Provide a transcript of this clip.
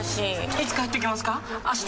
いつ帰ってきますか？